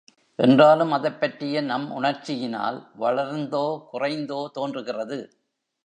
என்றாலும், அதைப்பற்றிய நம் உணர்ச்சியினால் வளர்ந்தோ குறைந்தோ தோன்றுகிறது.